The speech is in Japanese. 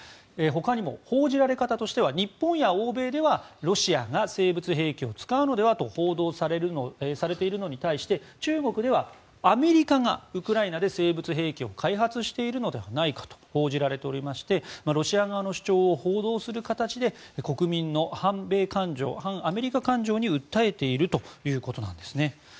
他にも報じられ方としては日本や欧米ではロシアが生物兵器を使うのではと報道されているのに対して中国ではアメリカがウクライナで生物兵器を開発しているのではないかと報じられておりましてロシア側の主張を報道する形で国民の反米感情に訴えかけているということです。